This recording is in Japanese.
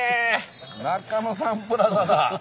中野サンプラザだ！